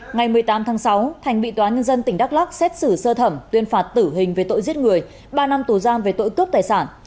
ngày một mươi tám tháng sáu thành bị tòa nhân dân tỉnh đắk lắc xét xử sơ thẩm tuyên phạt tử hình về tội giết người ba năm tù giam về tội cướp tài sản